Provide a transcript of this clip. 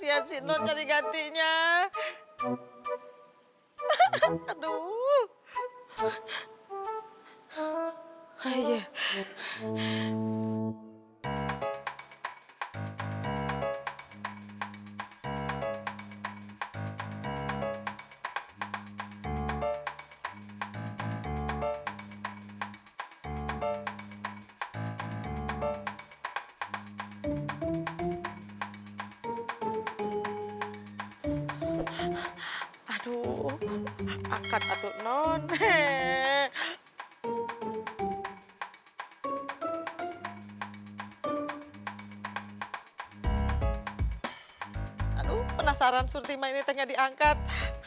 aduh penasaran surti mah ini tehnya diangkat